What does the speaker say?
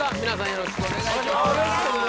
よろしくお願いします